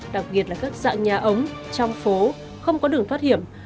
đặc biệt là các dạng nhà ống trong phố không có đường thoát hiểm